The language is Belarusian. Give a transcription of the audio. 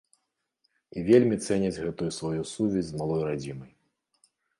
І вельмі цэняць гэту сваю сувязь з малой радзімай.